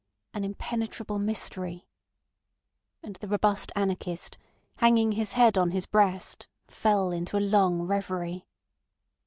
"An impenetrable mystery. ..." And the robust anarchist, hanging his head on his breast, fell into a long reverie.